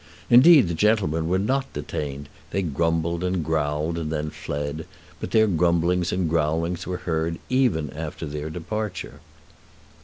Indeed the gentlemen were not detained. They grumbled and growled and then fled, but their grumblings and growlings were heard even after their departure.